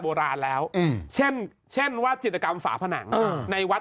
โบราณแล้วเช่นเช่นว่าจิตกรรมฝาผนังในวัด